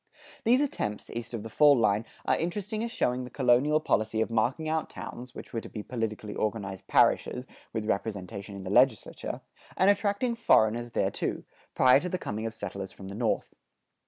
These attempts, east of the fall line, are interesting as showing the colonial policy of marking out towns (which were to be politically organized parishes, with representation in the legislature), and attracting foreigners thereto, prior to the coming of settlers from the North.